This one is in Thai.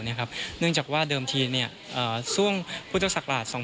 เนื่องจากว่าเดิมทีส่วงพศ๒๔๘๙